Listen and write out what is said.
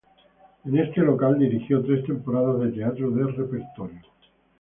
En este local dirigió tres temporadas de teatro de repertorio.